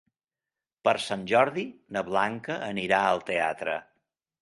Per Sant Jordi na Blanca anirà al teatre.